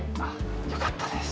よかったです。